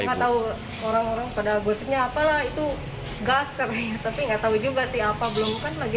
itu tahu orang orang pada bosnya apalah itu gas tapi nggak tahu juga sih apa belum kan lagi